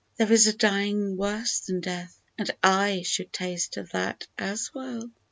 There is a dying worse than Death, And / should taste of that as well !